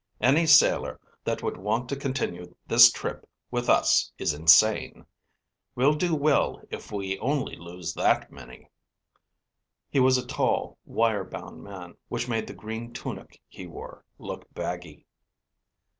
Any sailor that would want to continue this trip with us is insane. We'll do well if we only lose that many." He was a tall, wire bound man, which made the green tunic he wore look baggy.